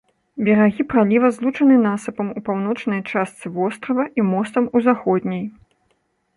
Берагі праліва злучаны насыпам у паўночнай частцы вострава і мостам у заходняй.